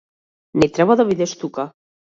Не треба да бидеш тука.